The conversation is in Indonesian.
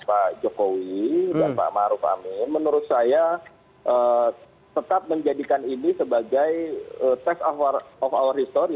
pak jokowi dan pak maruf amin menurut saya tetap menjadikan ini sebagai test of our history